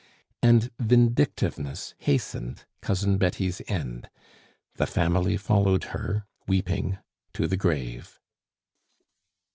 And vindictiveness hastened Cousin Betty's end. The family followed her, weeping, to the grave.